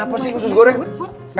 kenapa sih usus goreng